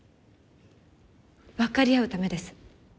分かり合うためです。